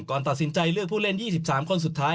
ก่อนตัดสินใจเลือกผู้เล่น๒๓คนสุดท้าย